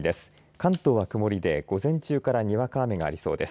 関東は曇りで午前中からにわか雨がありそうです。